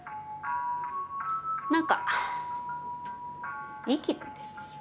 何かいい気分です。